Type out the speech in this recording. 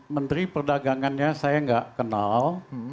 menteri perdagangannya saya nggak kenal